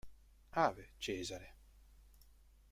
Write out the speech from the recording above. Ave, Cesare!